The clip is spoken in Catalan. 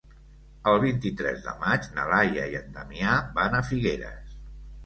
El vint-i-tres de maig na Laia i en Damià van a Figueres.